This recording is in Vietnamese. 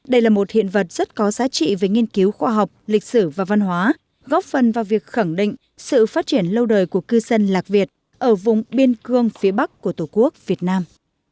đây là một hiện vật rất có giá trị về nghiên cứu khoa học lịch sử và văn hóa góp phần vào việc khẳng định sự phát triển lâu đời của cư dân lạc việt ở vùng biên cương phía bắc của tổ quốc việt nam